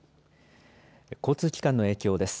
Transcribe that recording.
交通機関の影響です。